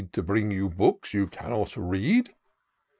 To bring you books you cannot read.